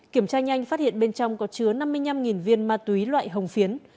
kiểm tra nhanh phát hiện bên trong có chứa năm mươi năm viên ma túy loại hồng phiến